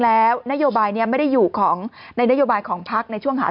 แล้วนโยบายนี้ไม่ได้อยู่ของในนโยบายของพักในช่วงหา